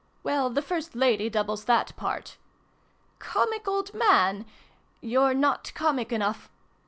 Well, the ' First Lady ' doubles that part. ' Comic Old Man '? You're not comic enough.